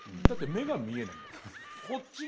だって目が見えないんだもん。